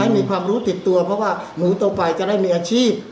มีความรู้ติดตัวเพราะว่าหนูโตไปจะได้มีอาชีพ